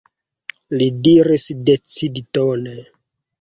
li diris decidtone.